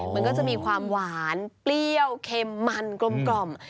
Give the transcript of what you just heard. มันก็จะมีความหวานเปรี้ยวเค็มมันกลม